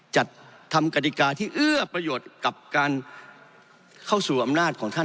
จัดทำกฎิกาที่เอื้อประโยชน์กับการเข้าสู่อำนาจของท่าน